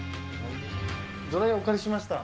ドライヤーをお借りしました。